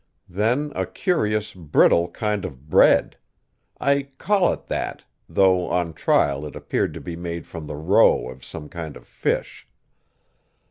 Then a curious, brittle kind of bread; I call it that, though on trial it appeared to be made from the roe of some kind of fish.